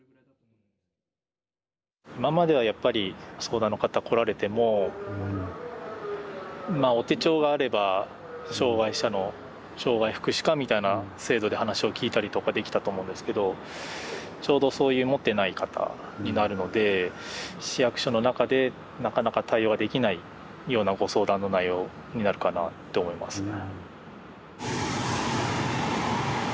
今まではやっぱり相談の方来られてもまあお手帳があれば障害者の障害福祉課みたいな制度で話を聞いたりとかできたと思うんですけどちょうどそういう持ってない方になるので市役所の中でなかなか対応はできないようなご相談の内容になるかなって思いますね。